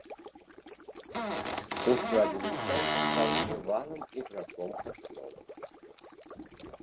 У складзе мінчан стаў трывалым іграком асновы.